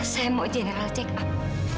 saya mau general check up